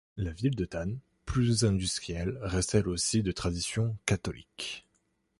La ville de Thann, plus industrielle, reste elle aussi de tradition catholique.